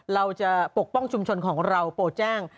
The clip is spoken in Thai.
ปกป้องชุมชนของเราโปรแจ้ง